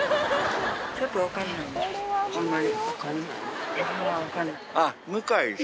ちょっとわかんないな。